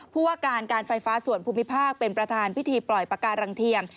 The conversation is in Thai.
ผู้ว่าการการไฟฟ้าส่วนภูมิภาคเป็นประธานพิธีปล่อยปากการังเทียม